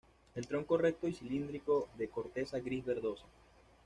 El tronco recto y cilíndrico, de corteza gris verdosa.